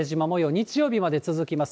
日曜日まで続きます。